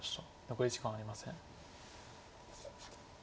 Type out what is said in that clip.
残り時間はありません。